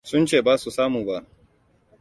Sun ce ba su samu ba.